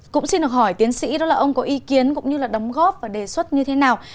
cũng xin được hỏi tiến sĩ đó là ông có ý kiến cũng như là đóng góp và đề xuất như thế nào